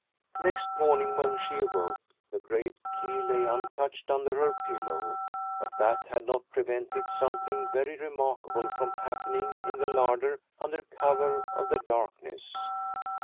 Next morning when she awoke the great key lay untouched under her pillow, but that had not prevented something very remarkable from happening in the larder under cover of the darkness.